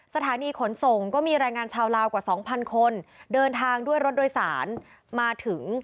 สถานีขนส่งก็มีแรงงานชาวลาวกว่า๒๐๐คนเดินทางด้วยรถโดยสารมาถึง